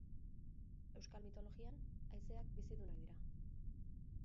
Euskal mitologian haizeak bizidunak dira.